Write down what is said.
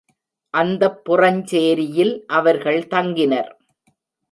அந்தப் புறஞ்சேரியில் அவர்கள் தங்கினர்.